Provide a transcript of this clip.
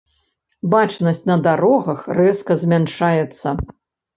Бачнасць на дарогах рэзка змяншаецца.